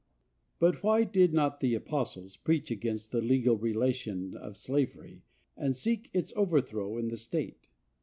But why did not the apostles preach against the legal relation of slavery, and seek its overthrow in the state?